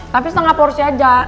tapi setengah porsi aja